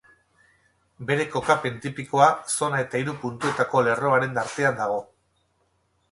Bere kokapen tipikoa zona eta hiru puntuetako lerroaren artean dago.